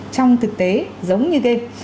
trong thực tế giống như game